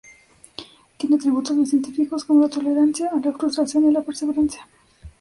Tiene atributos de científicos como la tolerancia a la frustración y la perseverancia.